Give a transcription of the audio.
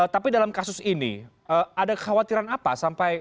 tapi dalam kasus ini ada kekhawatiran apa